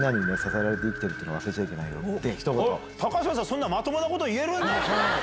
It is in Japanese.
そんなまともなこと言えるんだ！